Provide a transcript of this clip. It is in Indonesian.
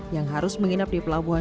yang harus menginap di pelabuhan